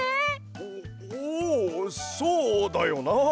おおうそうだよな。